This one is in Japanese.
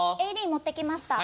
ＡＥＤ持ってきました。